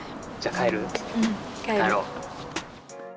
帰ろう。